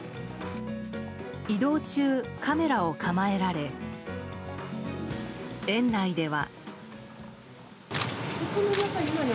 移動中、カメラを構えられ園内では。